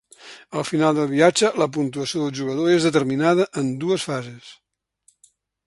Al final del viatge, la puntuació del jugador és determinada en dues fases.